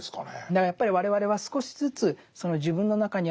だからやっぱり我々は少しずつその自分の中にあるコトバ